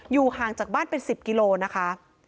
ห่างจากบ้านเป็น๑๐กิโลนะคะ